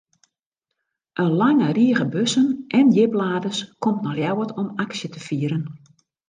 In lange rige bussen en djipladers komt nei Ljouwert om aksje te fieren.